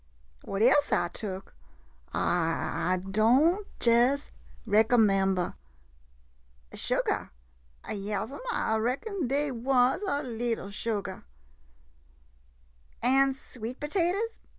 What else I tuk? I — I don' jes' recomember — Sugar ? Yas 'm, I reckon dey was a leetle sugar — an' sweet potaters